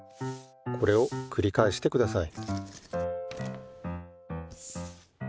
これをくりかえしてください。